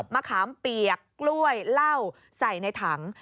มะขามเปียกกล้วยเหล้าใส่ในถัง